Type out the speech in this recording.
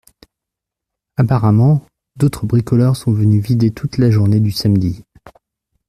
Apparemment, d’autres bricoleurs sont venus vider toute la journée du samedi